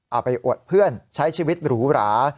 เอาไปอวดเพื่อนใช้ชีวิตหรูหรา